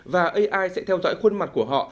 và ai sẽ theo dõi khuôn mặt của họ